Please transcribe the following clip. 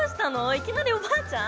いきなりおばあちゃん？